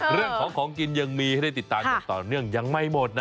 เรื่องของของกินยังมีให้ได้ติดตามอย่างต่อเนื่องยังไม่หมดนะ